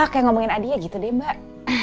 kayak ngomongin adia gitu deh mbak